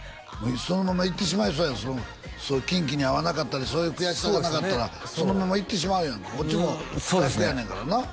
そのままいってしまいそうやんキンキに会わなかったりそういう悔しさがなかったらそのままいってしまうやんそうですねええ